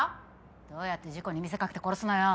どうやって事故に見せかけて殺すのよ？